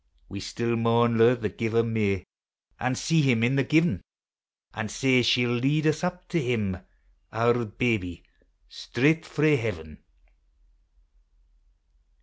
We still maun lo'e the Giver mair An' see Him in the given; An' sae she '11 lead us up to Him. Our babie straight frae Heaven.